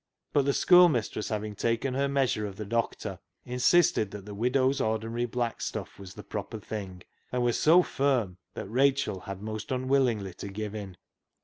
But the schoolmistress, having taken her measure of the doctor, in sisted that the widow's ordinary black stuff was the proper thing, and was so firm that Rachel had most unwillingly to give in.